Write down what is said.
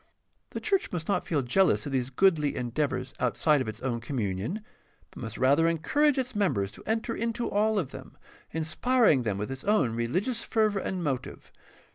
The church must not feel jealous of these goodly endeavors outside of its own communion, but must rather encourage its members to enter into all of them, inspiring them with its own religious fervor and motive.